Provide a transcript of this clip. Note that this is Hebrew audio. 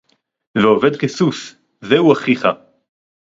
ועובד כסוס — זהו אחיך!